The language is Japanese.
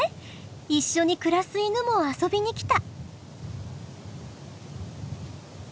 一緒に暮らす犬も遊びに来た。